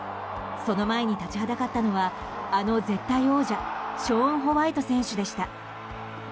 その前に立ちはだかったのはあの絶対王者ショーン・ホワイト選手でした。